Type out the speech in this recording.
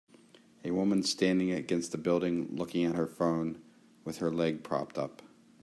A woman standing against a building looking at her phone, with her leg propped up.